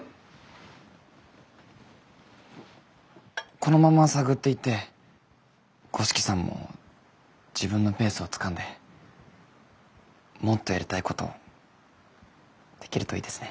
このまま探っていって五色さんも自分のペースをつかんでもっとやりたいことできるといいですね。